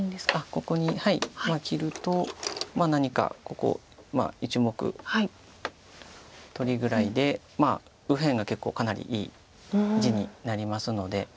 ここに切ると何かここ１目取りぐらいで右辺が結構かなりいい地になりますので。